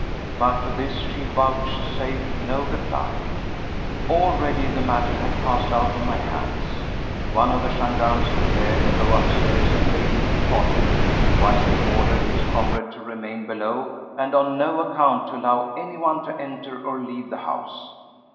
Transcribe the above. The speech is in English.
But to this she vouchsafed no reply. Already the matter had passed out of my hands. One of the gendarmes prepared to go upstairs and bade me follow him, whilst he ordered his comrade to remain below and on no account to allow anyone to enter or leave the house.